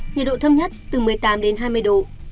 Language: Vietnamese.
nhiệt độ thâm nhất từ một mươi tám hai mươi độ